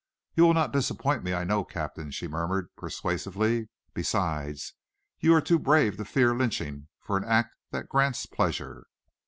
"You will not disappoint me, I know, Captain," she murmured, persuasively. "Besides, you are too brave to fear lynching for an act that grants pleasure."